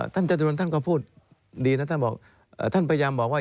ท่านจัตุรวรรค์ก็พูดดีนะท่านพยายามบอกว่า